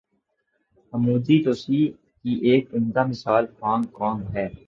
عمودی توسیع کی ایک عمدہ مثال ہانگ کانگ ہے۔